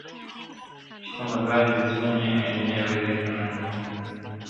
چي ته مزاج د سپيني آیینې لرې که نه,